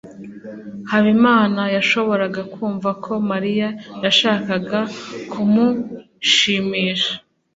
habimana yashoboraga kumva ko mariya yashakaga kumushimisha